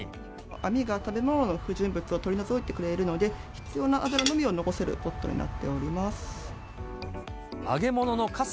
網が食べ物の不純物を取り除いてくれるので、必要な油のみを残せるポットになっております。